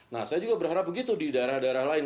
nah saya juga berharap begitu di daerah daerah lain